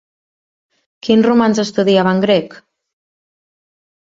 Quins romans estudiaven grec?